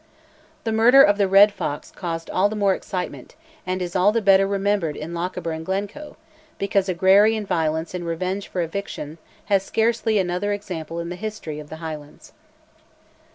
This murder of "the Red Fox" caused all the more excitement, and is all the better remembered in Lochaber and Glencoe, because agrarian violence in revenge for eviction has scarcely another example in the history of the Highlands.